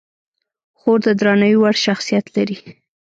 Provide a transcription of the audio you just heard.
خور د درناوي وړ شخصیت لري.